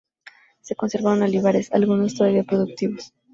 Se conservan olivares, algunos todavía productivos.